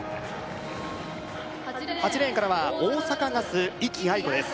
８レーンからは大阪ガス壹岐あいこです